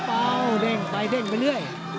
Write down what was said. ไปเด้งไปเรื่อย